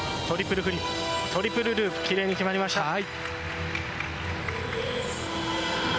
トリプルフリップ、トリプルループ、きれいに決まりました。